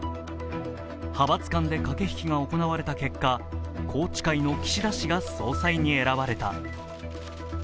派閥間で駆け引きが行われた結果宏池会の岸田氏が総裁に選ばれた。